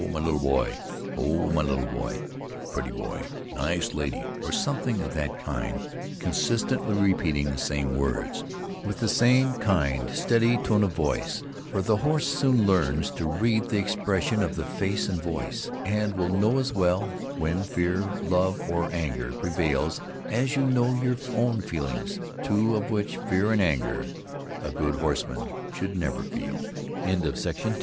my little boy, ho! my little boy, pretty boy, nice lady! or something of that kind, constantly repeating the same words, with the same kind, steady tone of voice; for the horse soon learns to read the expression of the face and voice, and will know as well when fear, love or anger, prevails as you know your own feelings; two of which, fear and anger, a good horseman should never feel. HOW TO PROCEED IF Y